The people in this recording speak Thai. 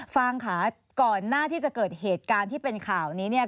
ฟางค่ะก่อนหน้าที่จะเกิดเหตุการณ์ที่เป็นข่าวนี้เนี่ย